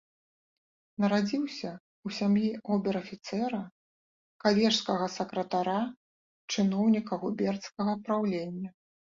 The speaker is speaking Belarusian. Нарадзіўся ў сям'і обер-афіцэра, калежскага сакратара, чыноўніка губернскага праўлення.